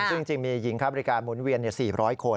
ซึ่งจริงมีหญิงค้าบริการหมุนเวียน๔๐๐คน